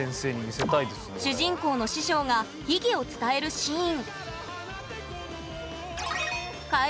主人公の師匠が秘技を伝えるシーン